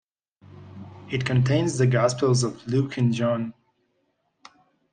It contains the Gospels of Luke and John.